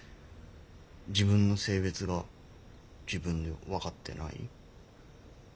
自分の性別が自分で分かってない。